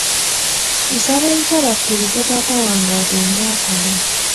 Nsaba enkya bakkirize taata wange agende akole.